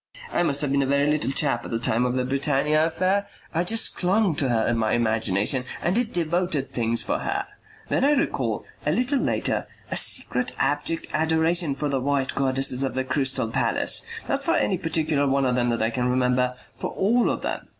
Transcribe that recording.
I must have been a very little chap at the time of the Britannia affair. I just clung to her in my imagination and did devoted things for her. Then I recall, a little later, a secret abject adoration for the white goddesses of the Crystal Palace. Not for any particular one of them that I can remember, for all of them.